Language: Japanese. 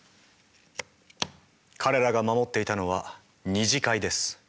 彼らが守っていたのは二次会です。